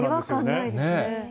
違和感ないですね。